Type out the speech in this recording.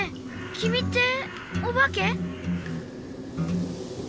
きみっておばけ？